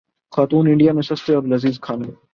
خاتون انڈیا میں سستے اور لذیذ کھانوں